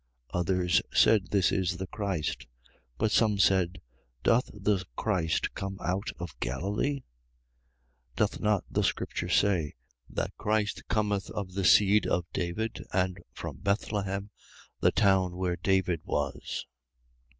7:41. Others said: This is the Christ. But some said: Doth the Christ come out of Galilee? 7:42. Doth not the scripture say: That Christ cometh of the seed of David and from Bethlehem the town where David was?